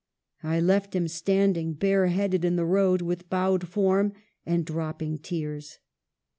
I left him standing bare headed in the road with bowed form and dropping tears."